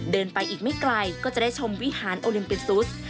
เดินไปอีกไม่ไกลก็จะได้ชมวิหารโอลิมปิกซุส